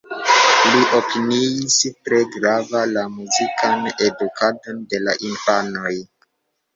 Li opiniis tre grava la muzikan edukadon de la infanoj.